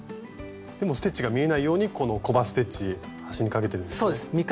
でもステッチが見えないようにこのコバステッチ端にかけてるんですね。